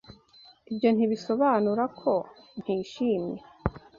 Ibyo ntibisobanura ko ntishimye.